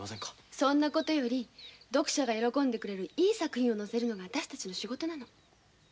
そんなことより読者が喜んでくれるいい作品を載せるのが私たちの仕事なの。